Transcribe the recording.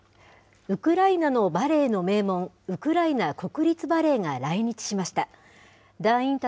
ウクライナのバレエの名門、ウクライナ国立バレエが来日しました。